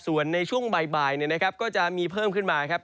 ส่วนในช่วงบ่ายเนี่ยนะครับก็จะมีเพิ่มขึ้นมานะครับ